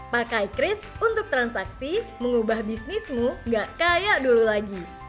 pakai kris untuk transaksi mengubah bisnismu gak kayak dulu lagi